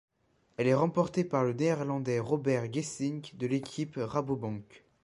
Elle est remportée par le Néerlandais Robert Gesink de l'équipe Rabobank.